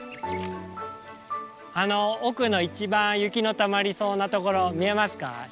あの奥の一番雪のたまりそうなところ見えますか？